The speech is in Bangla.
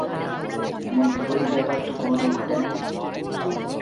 এমন বিপরীত ব্যাপার তো কোনোদিন ঘটে নাই।